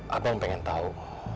apa yang pengen tahu